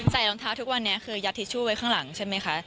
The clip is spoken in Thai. รองเท้าทุกวันนี้คือยัดทิชชู่ไว้ข้างหลังใช่ไหมคะ